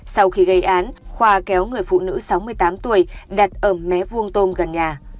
sau khi gây án khoa kéo người phụ nữ sáu mươi tám tuổi đặt ở mé vuông tôm gần nhà